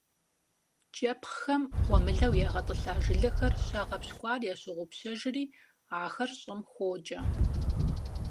КIэпхъхэм гъуэмылэу ягъэтIылъа жылэхэр щагъэпщкIуар ящогъупщэжри, ахэр щIым хокIэ.